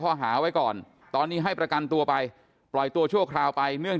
ข้อหาไว้ก่อนตอนนี้ให้ประกันตัวไปปล่อยตัวชั่วคราวไปเนื่อง